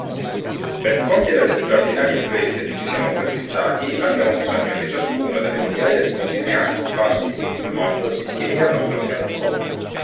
Per compiere le straordinarie imprese che ci siamo prefissati, abbiamo bisogno che ciascuno delle migliaia di Mozilliani sparsi in tutto il mondo si schieri al nostro fianco.